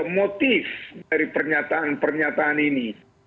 motif dari pernyataan pernyataan ini